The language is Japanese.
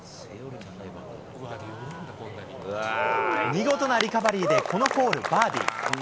見事なリカバリーで、このホール、バーディー。